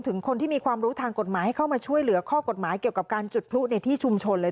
ถึงคนที่มีความรู้ทางกฎหมายให้เข้ามาช่วยเหลือข้อกฎหมายเกี่ยวกับการจุดพลุในที่ชุมชนเลย